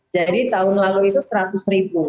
jadi tahun lalu itu seratus ribu